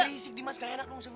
eh berisik nih mas gak enak dong